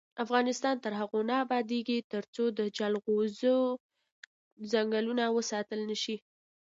افغانستان تر هغو نه ابادیږي، ترڅو د جلغوزو ځنګلونه وساتل نشي.